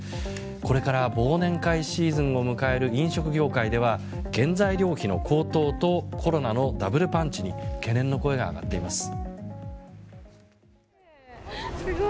これから忘年会シーズンを迎える飲食業界では原材料費の高騰とコロナのダブルパンチに懸念の声が上がっています。